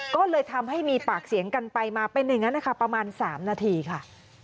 ก็เลยทำให้มีปากเสียงกันไปมาเป็นอย่างนั้นนะคะประมาณ๓นาทีค่ะ